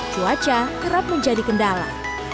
cuaca kerap menjadi kendala